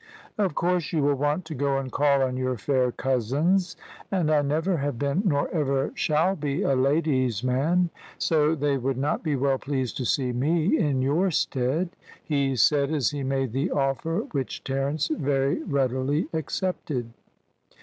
"Of course you will want to go and call on your fair cousins, and I never have been nor ever shall be a lady's man, so they would not be well pleased to see me in your stead," he said as he made the offer which Terence very readily accepted.